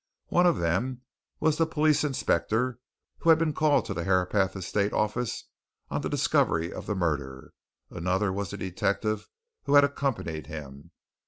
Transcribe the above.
One of them was the police inspector who had been called to the Herapath Estate Office on the discovery of the murder; another was the detective who had accompanied him.